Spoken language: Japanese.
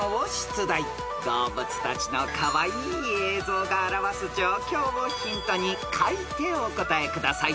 ［動物たちのカワイイ映像が表す状況をヒントに書いてお答えください］